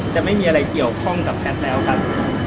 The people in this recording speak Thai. ไม่มีอะไรเกี่ยวข้องกับแพทย์แล้วครับ